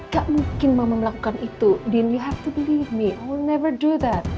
gak mungkin mama melakukan itu you have to believe me i will never do that